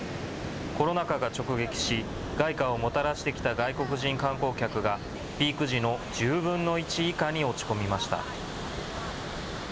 コロナ渦が直撃し、外貨をもたらしてきた外国人観光客がピーク時の１０分の１以下に落ち込みました。